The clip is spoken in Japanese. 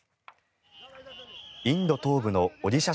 インド東部のオディシャ